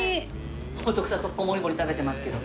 徳さん即行もりもり食べてますけど。